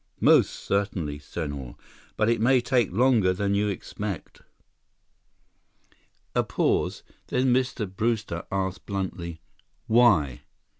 "Most certainly, Senhor. But it may take longer than you expect." A pause—then Mr. Brewster asked bluntly, "Why?"